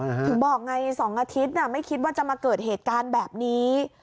ถึงบอกไง๒อาทิตย์ไม่คิดว่าจะมาเกิดเหตุการณ์แบบนี้